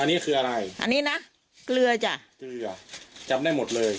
อันนี้คืออะไรอันนี้นะเกลือจ้ะเกลือจำได้หมดเลย